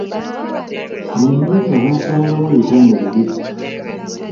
Mu nnyumba baasangamu ebitanda bibiri.